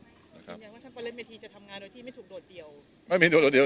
อย่างว่าท่านพลเมธีจะทำงานโดยที่ไม่ถูกโดดเดี่ยว